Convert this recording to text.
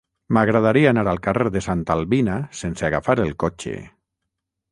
M'agradaria anar al carrer de Santa Albina sense agafar el cotxe.